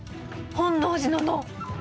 本能寺の能？